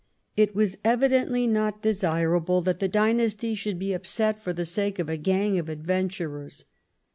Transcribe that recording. It was evidently not desirable that the dynasty should be upset for the sake of a gang of adventurers.